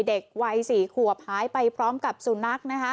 เด็กวัย๔ขวบหายไปพร้อมกับสูญนัก